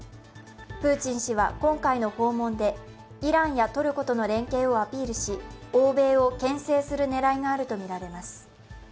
プーチン氏は今回の訪問でイランやトルコとの連携をアピールし、欧米をけん制する狙いがあるとみられます。